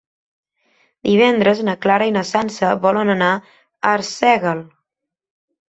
Divendres na Carla i na Sança volen anar a Arsèguel.